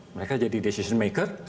mereka jadi decision maker